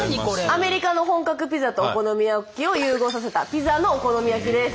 アメリカの本格ピザとお好み焼きを融合させたピザのお好み焼きです。